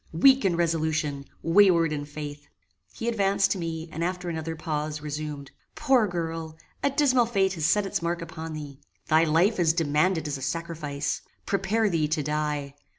weak in resolution! wayward in faith!" He advanced to me, and, after another pause, resumed: "Poor girl! a dismal fate has set its mark upon thee. Thy life is demanded as a sacrifice. Prepare thee to die.